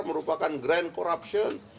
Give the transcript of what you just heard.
merupakan grand corruption